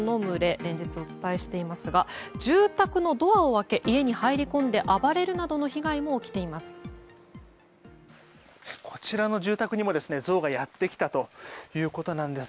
連日お伝えしていますが住宅のドアを開けて家に入り込んで暴れるなどの被害も起きています。